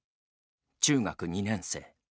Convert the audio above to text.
中学２年生。